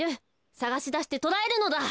さがしだしてとらえるのだ。